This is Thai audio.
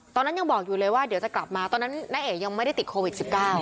ตอนนั้นยังบอกอยู่เลยว่าเดี๋ยวจะกลับมาตอนนั้นน้าเอกยังไม่ได้ติดโควิด๑๙